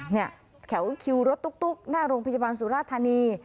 เนี่ยแถวคิวรถตุ๊กหน้าโรงพยาบาลสุราธานี